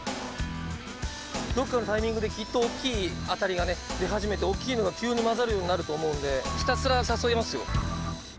どっかのタイミングできっと大きいアタリがね出始めて大きいのが急に交ざるようになると思うんでひたすら誘いますよ。